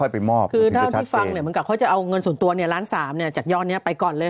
พี่ฟังเนี่ยเหมือนกับเขาจะเอาเงินส่วนตัวเนี่ยล้านสามเนี่ยจากยอดเนี่ยไปก่อนเลย